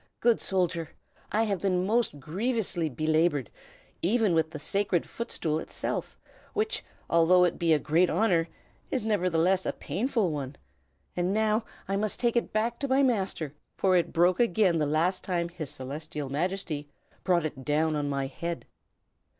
Good soldier, I have been most grievously belabored, even with the Sacred Footstool itself, which, although it be a great honor, is nevertheless a painful one. And now must I take it back to my master, for it broke again the last time His Celestial Majesty brought it down on my head.